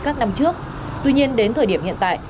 các năm trước tuy nhiên đến thời điểm hiện tại